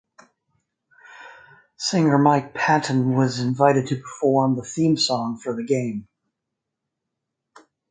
Singer Mike Patton was invited to perform the theme song for the game.